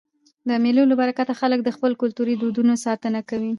د مېلو له برکته خلک د خپلو کلتوري دودونو ساتنه کوي.